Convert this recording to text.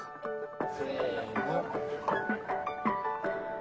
せの。